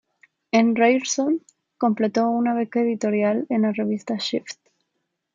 En Ryerson, completó una beca editorial en la revista "Shift".